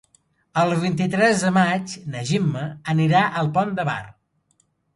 El vint-i-tres de maig na Gemma anirà al Pont de Bar.